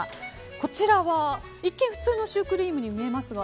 こちらは一見普通のシュークリームに見えますが。